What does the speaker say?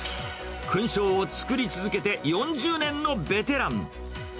勲章をつくり続けて４０年のベテラン。